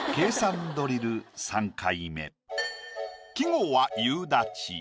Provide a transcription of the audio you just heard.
季語は「夕立」。